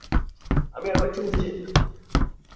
আমি আর বাচ্চা নিতে চাই না!